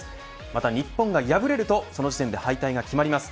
また日本が敗れるとその時点で敗退が決まります。